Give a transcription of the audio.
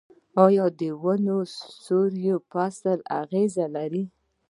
آیا د ونو سیوری په فصل اغیز لري؟